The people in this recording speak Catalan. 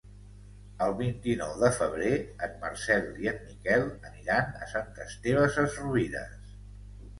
El vint-i-nou de febrer en Marcel i en Miquel aniran a Sant Esteve Sesrovires.